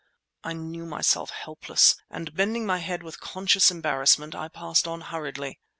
I knew myself helpless, and bending my head with conscious embarrassment I passed on hurriedly.